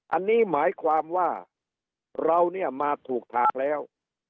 อันนี้หมายความว่าเราเนี่ยมาถูกทางแล้ว